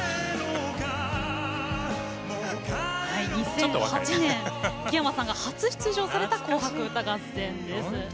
２００８年木山さんが初出場された「紅白歌合戦」です。